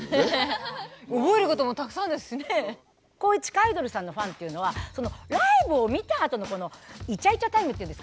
こういう地下アイドルさんのファンっていうのはライブを見たあとのいちゃいちゃタイムっていうんですかね。